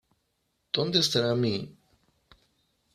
¿ Dónde estará mi...?